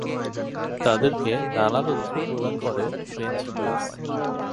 তাদেরকে নানা তথ্য প্রদান করে ফ্রেঞ্চ লুইস।